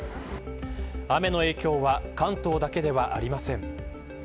雨の影響は関東だけではありません。